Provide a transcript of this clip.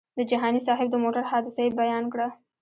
د جهاني صاحب د موټر حادثه یې بیان کړه.